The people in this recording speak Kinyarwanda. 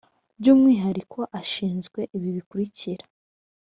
byu umwihariko ashinzwe ibi bikurikira